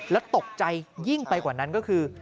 แล้วตกใจยิ่งไปกว่านั้นก็คือ